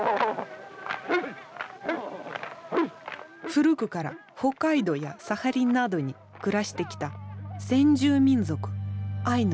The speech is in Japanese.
古くから北海道やサハリンなどに暮らしてきた先住民族アイヌの人々。